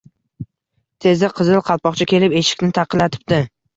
Tezda Qizil Qalpoqcha kelib, eshikni taqillatibdi